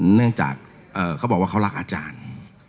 เนื่องจากเขาบอกว่าเขารักอาจารย์